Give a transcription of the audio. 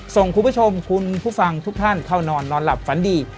ส่งคุณผู้ชมคุณผู้ฟังทุกท่านเข้านอนนอนหลับฝันดี